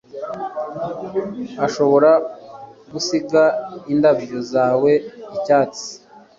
ashobora gusiga indabyo zawe icyatsi